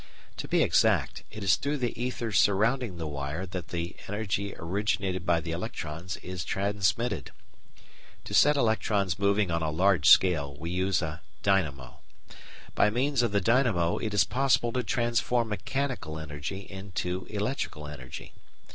To be exact, it is through the ether surrounding the wire that the energy originated by the electrons is transmitted. To set electrons moving on a large scale we use a "dynamo." By means of the dynamo it is possible to transform mechanical energy into electrical energy.